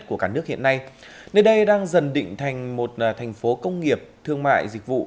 của cả nước hiện nay nơi đây đang dần định thành một thành phố công nghiệp thương mại dịch vụ